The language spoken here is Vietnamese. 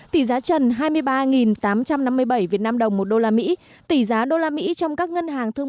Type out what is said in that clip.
tỷ giá trần hai mươi ba tám trăm năm mươi bảy việt nam đồng một đô la mỹ tỷ giá đô la mỹ trong các ngân hàng thương